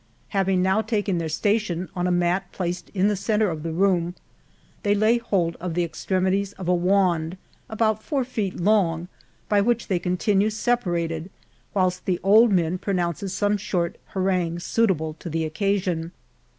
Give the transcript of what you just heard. Having now taken their station, on a mat placed in the centre of the room, they lay hold of the extrem ities of a wand, about four feet long, by which they continue seperated, whilst the old men pronounces some short ha rangues suitable to the occasion.